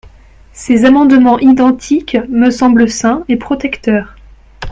Ces amendements identiques me semblent sains et protecteurs.